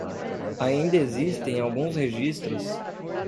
Ainda existem alguns registros